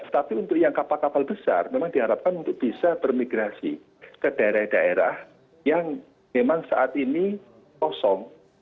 tapi untuk yang kapal kapal besar memang diharapkan untuk bisa bermigrasi ke daerah daerah yang memang saat ini kosong